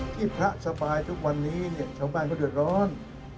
ที่พระสบายทุกวันนี้ชาวบ้านก็เดือดร้อน